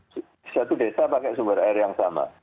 satu desa pakai sumber air yang sama